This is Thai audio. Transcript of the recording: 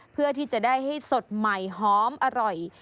เพื่อที่จะได้ให้สดใหม่หอมอร่อย